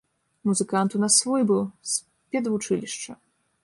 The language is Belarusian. Музыкант у нас свой быў, з педвучылішча.